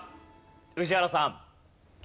宇治原さん。